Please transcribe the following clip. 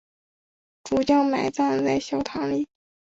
主教埋葬在小堂里。